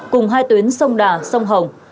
cùng hai tuyến sông đà sông hồng